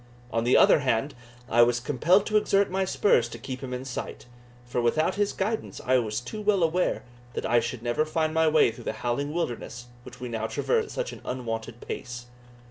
On the other hand, I was compelled to exert my spurs to keep him in sight, for without his guidance I was too well aware that I should never find my way through the howling wilderness which we now traversed at such an unwonted pace.